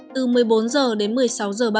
từ một mươi bốn h đến một mươi sáu h ba mươi